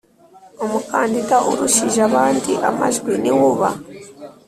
umukandida urushije abandi amajwi ni we uba